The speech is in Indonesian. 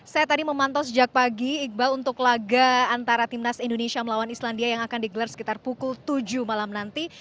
saya tadi memantau sejak pagi iqbal untuk laga antara timnas indonesia melawan islandia yang akan digelar sekitar pukul tujuh malam nanti